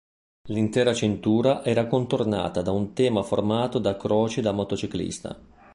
L'intera cintura era contornata da un tema formato da croci da motociclista.